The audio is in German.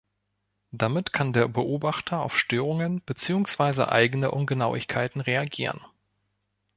Damit kann der Beobachter auf Störungen beziehungsweise eigene Ungenauigkeiten reagieren.